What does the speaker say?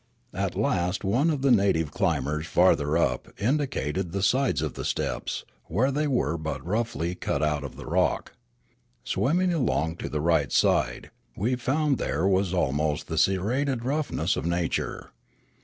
At last one of the native climbers farther up indicated the sides of the steps, where they were but roughly cut out of the rock. Swimming along to the right side, we found there was almost the sierraed roughness of na ture.